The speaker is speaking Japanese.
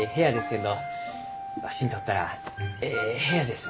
けんどわしにとったらえい部屋です。